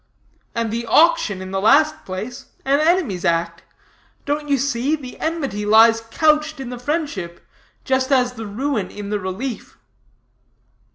"And the auction in the last place an enemy's act. Don't you see? The enmity lies couched in the friendship, just as the ruin in the relief."